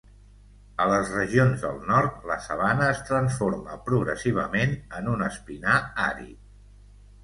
A les regions del nord, la sabana es transforma progressivament en un espinar àrid.